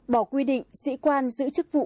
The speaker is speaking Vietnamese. bỏ quy định sĩ quan giữ chức vụ